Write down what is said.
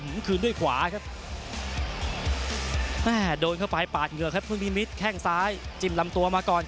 มึงมีความนิมเบิดแค้งซ้าย